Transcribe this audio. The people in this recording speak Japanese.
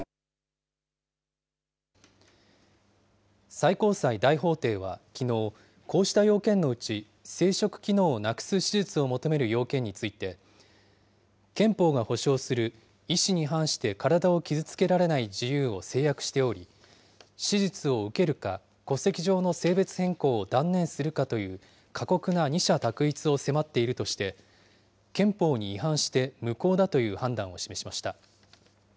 最高裁大法廷はきのう、こうした要件のうち、生殖機能をなくす手術を求める要件について、憲法が保障する意思に反して体を傷つけられない自由を制約しており、手術を受けるか、戸籍上の性別変更を断念するかという過酷な二者択一を迫っているとして、憲法に違反して無効だという判断を示しました。